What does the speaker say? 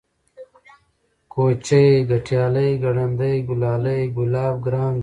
كوچى ، گټيالی ، گړندی ، گلالی ، گلاب ، گران ، گلبڼ